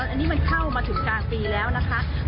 อันนี้มันเข้ามาถึงกลางปีแล้วนะคะ